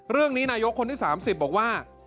เรื่องนี้นายกคนที่๓๐บอกว่า